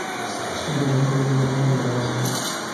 শুধু রোমান হরফের জায়গায় ব্যবহার করা হয়েছে বাংলা হরফ।